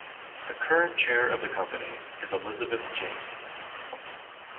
The current chair of the Company is Elizabeth Jameson.